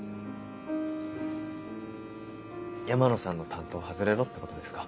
山野さんの担当を外れろってことですか？